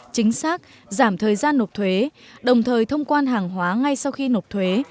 chính xác giảm thời gian nộp thuế đồng thời thông quan hàng hóa ngay sau khi nộp thuế